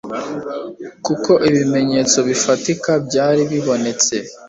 kuko ibimenyetso bifatika byari bibonetse